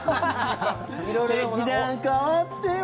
劇団変わってよ！